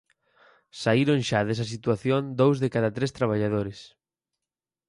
Saíron xa desa situación dous de cada tres traballadores.